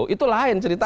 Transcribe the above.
itu lain ceritanya